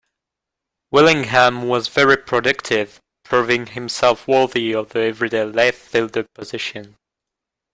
Willingham was very productive, proving himself worthy of the everyday left fielder position.